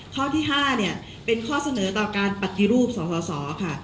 ข้อที่๕เนี่ยเป็นข้อเสนอต่อการปฏิรูปสสค่ะ